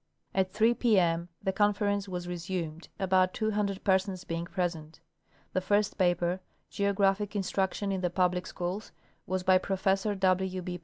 At 3 p m the Conference was resumed, about 200 persons being j)resent. The first paper, " Geographic Instruction in the public Schools," was by Professor W.